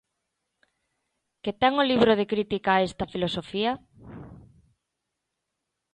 Que ten o libro de crítica a esta filosofía?